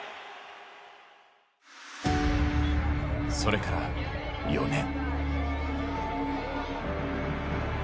それから、４年。